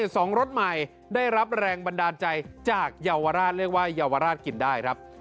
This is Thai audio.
สองรสใหม่ได้รับแรงบันดาลใจจากเยาวราชเรียกว่าเยาวราชกินได้ครับ